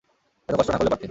এত কষ্ট না করলেও পারতে।